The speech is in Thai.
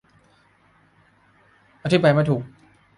อธิบายไม่ถูก